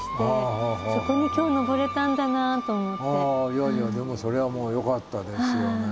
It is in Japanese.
いやいやでもそれはもうよかったですよね。